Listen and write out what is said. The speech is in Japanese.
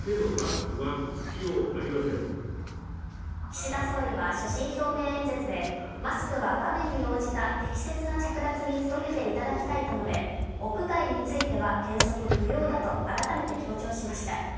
岸田総理は所信表明演説でマスクは場面に応じた適切な着脱に努めていただきたいと述べ屋外については原則不要だと改めて強調しました。